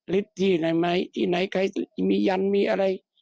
ที่ไหนไหมที่ไหนใครมียันมีอะไร